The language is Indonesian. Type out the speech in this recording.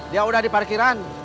dia udah di parkiran